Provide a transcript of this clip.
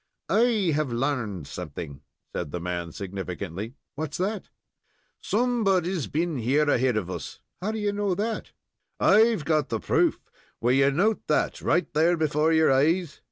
"I have larned something," said the man, significantly. "What's that?" "Somebody's been here ahead of us." "How do you know that?" "I've got the proof. Will you note that, right there before your eyes?"